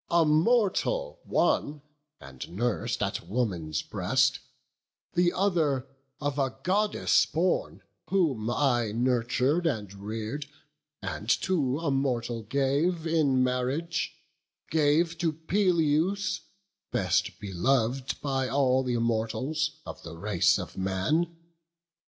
A mortal one, and nurs'd at woman's breast; The other, of a Goddess born, whom I Nurtur'd and rear'd, and to a mortal gave In marriage; gave to Peleus, best belov'd By all th' Immortals, of the race of man.